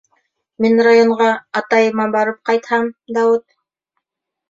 Мин районға... атайыма барып ҡайтһам, Дауыт...